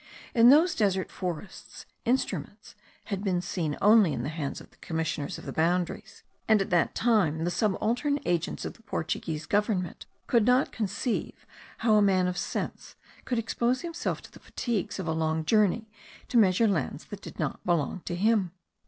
In those desert forests instruments had been seen only in the hands of the commissioners of the boundaries; and at that time the subaltern agents of the Portuguese government could not conceive how a man of sense could expose himself to the fatigues of a long journey, to measure lands that did not belong to him.